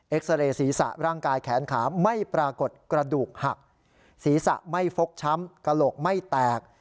ซาเรย์ศีรษะร่างกายแขนขาไม่ปรากฏกระดูกหักศีรษะไม่ฟกช้ำกระโหลกไม่แตก